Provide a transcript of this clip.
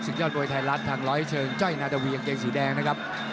ยอดมวยไทยรัฐทางร้อยเชิงจ้อยนาตาวีกางเกงสีแดงนะครับ